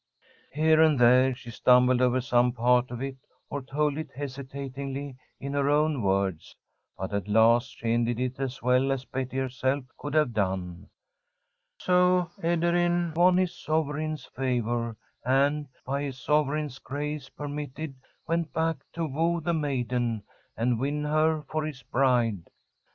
'" Here and there she stumbled over some part of it, or told it hesitatingly in her own words, but at last she ended it as well as Betty herself could have done: "So Ederyn won his sovereign's favour, and, by his sovereign's grace permitted, went back to woo the maiden and win her for his bride.